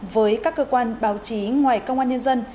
với các cơ quan báo chí ngoài công an nhân dân